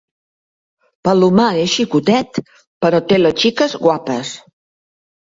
Palomar és xicotet, però té les xiques guapes.